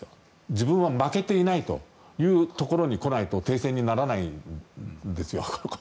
自分は負けていないというところに来ないと停戦にならないんですよ。